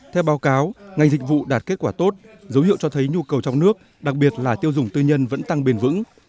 theo báo cáo ngành dịch vụ đạt kết quả tốt dấu hiệu cho thấy nhu cầu trong nước đặc biệt là tiêu dùng tư nhân vẫn tăng bền vững